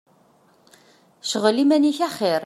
Cɣel iman-ik axir.